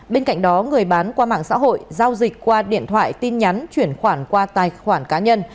bên cạnh đó người bán qua mạng xã hội giao dịch qua điện thoại tin nhắn chuyển khoản qua tài khoản cá nhân